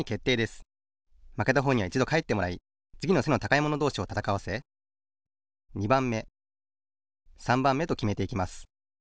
まけたほうにはいちどかえってもらいつぎの背の高いものどうしをたたかわせ２ばんめ３ばんめときめていきます。